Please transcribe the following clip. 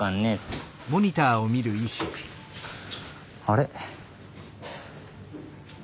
あれ？